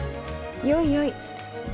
よいよい。